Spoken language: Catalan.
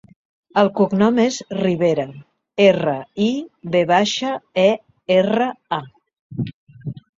El cognom és Rivera: erra, i, ve baixa, e, erra, a.